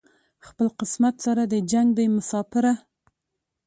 خپل قسمت سره دې جنګ دی مساپره